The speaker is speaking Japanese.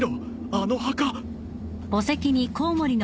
あの墓。